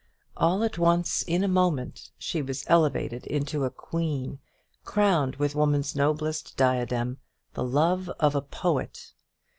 All at once, in a moment, she was elevated into a queen, crowned with woman's noblest diadem, the love of a poet.